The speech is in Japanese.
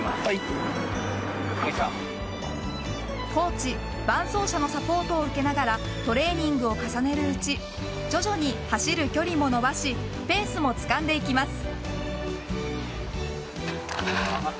コーチ、伴走者のサポートを受けながらトレーニングを重ねるうち徐々に走る距離も伸ばしペースもつかんでいきます。